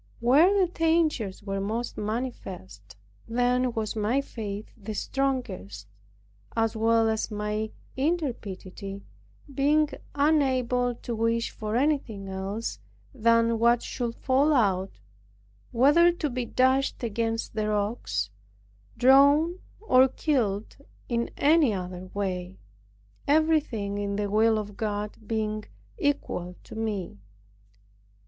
When the dangers were most manifest, then was my faith the strongest, as well as my intrepidity, being unable to wish for anything else than what should fall out, whether to be dashed against the rocks, drowned, or killed in any other way; everything in the will of God being equal to me.